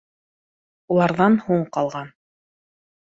Уларҙан һуң ҡалған